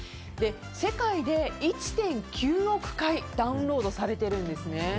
世界で１．９億回ダウンロードされているんですね。